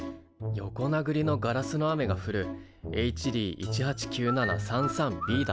横なぐりのガラスの雨が降るＨＤ１８９７３３ｂだな。